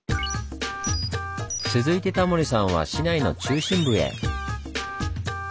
続いてタモリさんは市内の中心部へ。